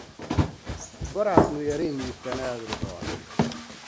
Barátnője rémülten elrohan.